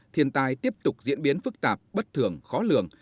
thiên tai tiếp tục diễn biến phức tạp bất thường khó lường